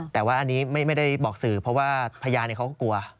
แต่ว่าอันนี้ไม่ได้บอกสื่อเพราะว่าพยานเขาก็กลัว